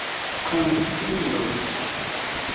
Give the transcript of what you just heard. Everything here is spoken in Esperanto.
konsilo